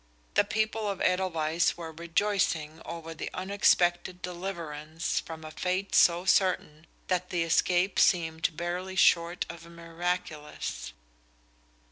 The people of Edelweiss were rejoicing over the unexpected deliverance from a fate so certain that the escape seemed barely short of miraculous.